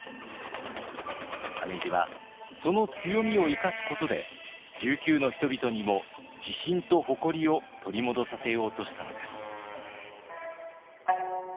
羽地はその強みを生かすことで琉球の人々にも自信と誇りを取り戻させようとしたのです。